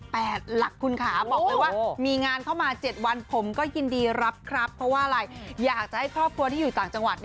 เพราะว่าอะไรอยากจะให้ครอบครัวที่อยู่ต่างจังหวัด